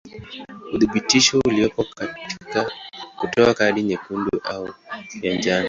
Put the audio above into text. Uthibitisho uliopo katika kutoa kadi nyekundu au ya njano.